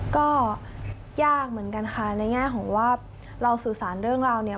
ก็ยากเหมือนกันค่ะในแง่ของว่าเราสื่อสารเรื่องราวเนี่ย